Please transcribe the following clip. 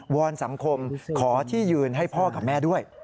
อนสังคมขอที่ยืนให้พ่อกับแม่ด้วย